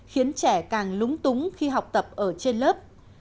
khiến trẻ càng lúng túng khi học tập ở trên lớp